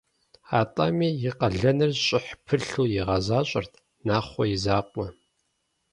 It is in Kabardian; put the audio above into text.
Атӏэми и къалэныр щӏыхь пылъу игъэзащӏэрт Нахъуэ и закъуэ.